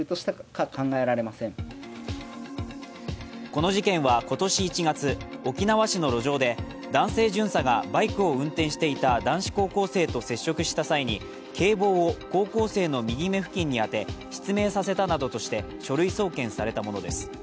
この事件は今年１月、沖縄市の路上で男性巡査がバイクを運転していた男子高校生と接触した際に警棒を高校生の右目付近に当て失明させたなどとして書類送検されたものです。